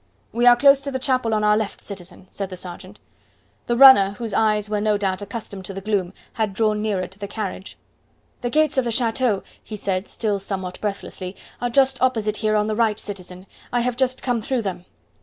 "We are close to the chapel on our left, citizen," said the sergeant. The runner, whose eyes were no doubt accustomed to the gloom, had drawn nearer to the carriage. "The gates of the chateau," he said, still somewhat breathlessly, "are just opposite here on the right, citizen. I have just come through them."